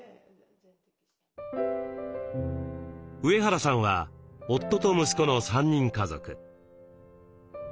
上原さんは夫と息子の３人家族。